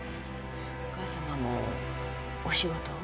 お母様もお仕事を？